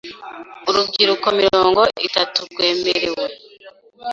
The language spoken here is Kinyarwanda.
Urubyiruko mirongo itatu rwemerewe